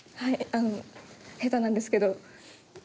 あの下手なんですけど。